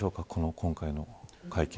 今回の会見。